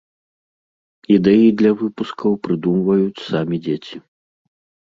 Ідэі для выпускаў прыдумваюць самі дзеці.